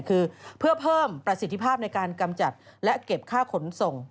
คือเพื่อเพิ่มประสิทธิภาพในการกำจัดและเก็บค่าขนส่ง